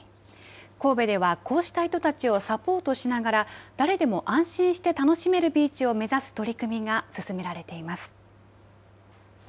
神戸ではこうした人たちをサポートしながら誰でも安心して楽しめるビーチを目指す取り組みが進められています。